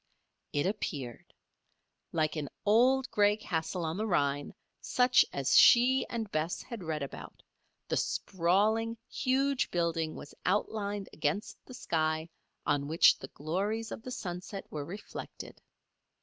It appeared. Like an old, gray castle on the Rhine, such as she and Bess had read about, the sprawling, huge building was outlined against the sky on which the glories of the sunset were reflected.